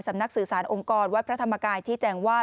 นักสื่อสารองค์กรวัดพระธรรมกายชี้แจงว่า